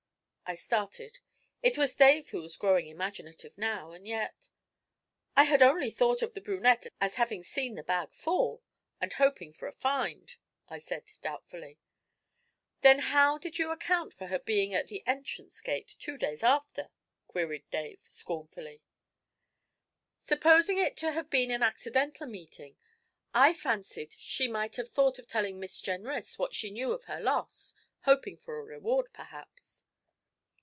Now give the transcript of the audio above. I started. It was Dave who was growing imaginative now. And yet 'I had only thought of the brunette as having seen the bag fall, and hoping for a find,' I said doubtfully. 'Then how did you account for her being at the entrance gate two days after?' queried Dave scornfully. 'Supposing it to have been an accidental meeting, I fancied she might have thought of telling Miss Jenrys what she knew of her loss, hoping for a reward, perhaps.'